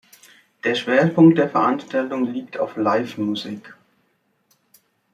Der Schwerpunkt der Veranstaltung liegt auf Live-Musik.